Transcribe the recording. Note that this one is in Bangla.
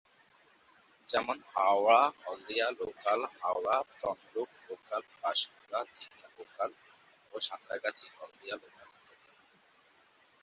যেমন- Howrah-Haldia local, হাওড়া-তমলুক local, Panskura-Digha local এবং সাঁতরাগাছি-হলদিয়া লোকাল ইত্যাদি।